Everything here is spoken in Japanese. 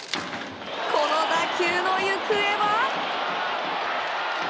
この打球の行方は。